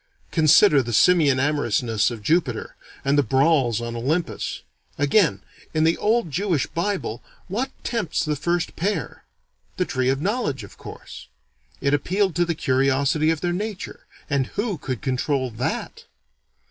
Consider the simian amorousness of Jupiter, and the brawls on Olympus. Again, in the old Jewish Bible, what tempts the first pair? The Tree of Knowledge, of course. It appealed to the curiosity of their nature, and who could control _that!